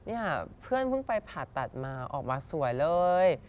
เนี่ยเพื่อนเพิ่งไปผ่าตัดมาออกมาสวยเลย